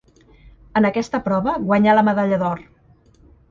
En aquesta prova guanyà la medalla d'or.